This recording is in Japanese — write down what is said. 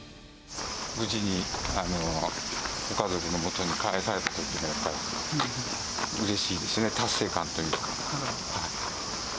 無事にご家族のもとに帰されたときは、うれしいですね、達成感というか。